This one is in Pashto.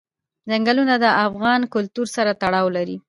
ځنګلونه د افغان کلتور سره تړاو لري.